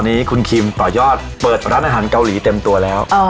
วันนี้คุณคิมต่อยอดเปิดร้านอาหารเกาหลีเต็มตัวแล้ว